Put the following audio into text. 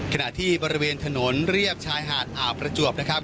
ขณะที่บริเวณถนนเรียบชายหาดอ่าวประจวบนะครับ